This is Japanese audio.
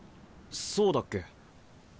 そうだっけ？